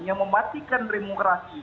yang mematikan remunerasi ini